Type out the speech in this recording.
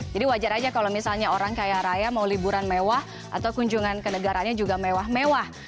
jadi wajar aja kalau misalnya orang kaya raya mau liburan mewah atau kunjungan ke negaranya juga mewah mewah